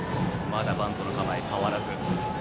まだバントの構えは変わらず。